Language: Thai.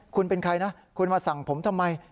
คุณเป็นใครนะคุณมาสั่งผมทำไม